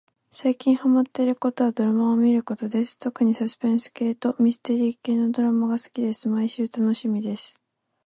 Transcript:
さいきんはまってることはどらまをみることですとくにさすぺんすけいとみすてりーけいのどらまがすきですまいしゅうたのしみです